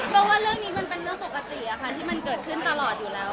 เรื่องนี้เป็นเรื่องปกติที่เกิดขึ้นตลอดอยู่แล้ว